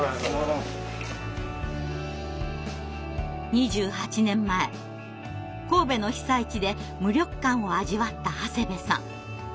２８年前神戸の被災地で無力感を味わった長谷部さん。